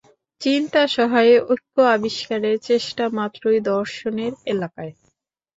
চিন্তাসহায়ে ঐক্য আবিষ্কারের চেষ্টামাত্রই দর্শনের এলাকায়।